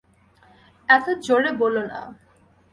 এতো জোরে বলো না।